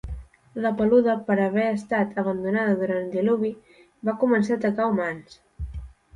La Peluda per haver estat abandonada durant el Diluvi va començar a atacar humans